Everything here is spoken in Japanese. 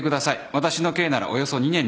私の刑ならおよそ２年６カ月。